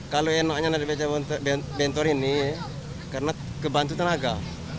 kalau enaknya ada bentor ini karena kebantu tenaga